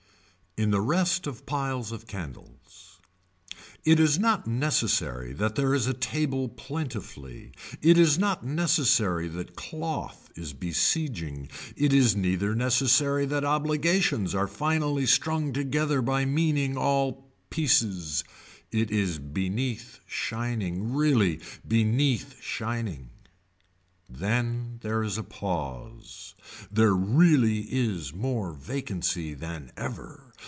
In the rest of piles of candles. It is not necessary that there is a table plentifully, it is not necessary that cloth is besieging it is neither necessary that obligations are finally strung together by meaning all pieces, it is beneath shining really beneath shining. Then there is a pause. There really is more vacancy than ever.